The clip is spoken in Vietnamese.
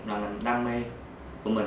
là một người